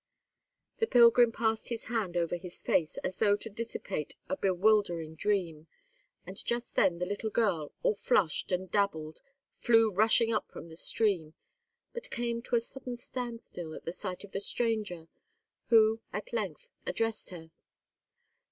The pilgrim passed his hand over his face, as though to dissipate a bewildering dream; and just then the little girl, all flushed and dabbled, flew rushing up from the stream, but came to a sudden standstill at sight of the stranger, who at length addressed her.